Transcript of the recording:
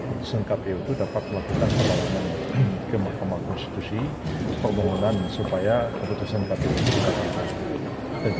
keputusan kpu itu dapat melakukan kemahkamah konstitusi permohonan supaya keputusan kpu